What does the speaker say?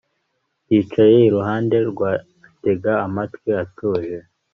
Yicaye iruhande rwe atega amatwi atuje